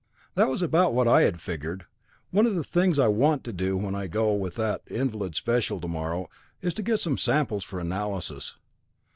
"That was about what I had figured. One of the things I want to do when I go with that Invalid Special tomorrow is to get some samples for analysis."